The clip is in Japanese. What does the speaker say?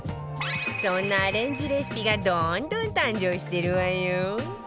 そんなアレンジレシピがどんどん誕生してるわよ